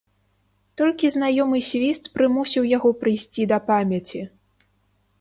Толькі знаёмы свіст прымусіў яго прыйсці да памяці.